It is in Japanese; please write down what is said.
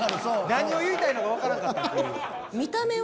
何を言いたいのかわからんかったという。